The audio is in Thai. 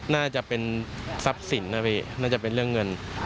น่าจะเป็นทรัพย์สินนะพี่น่าจะเป็นเรื่องเงิน